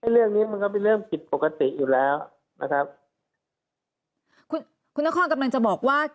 เรื่องนี้มันก็เป็นเรื่องผิดปกติอยู่แล้วนะครับคุณคุณนครกำลังจะบอกว่า